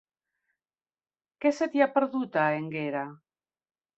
Què se t'hi ha perdut, a Énguera?